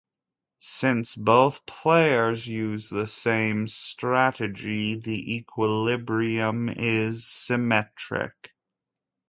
Since both players use the same strategy, the equilibrium is symmetric.